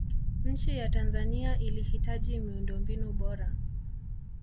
nchi ya tanzania ilihitaji miundombinu bora